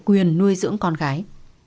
quyền nuôi dưỡng con gái